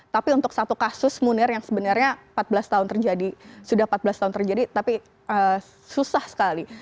tapi untuk satu kasus munir yang sebenarnya empat belas tahun terjadi sudah empat belas tahun terjadi tapi susah sekali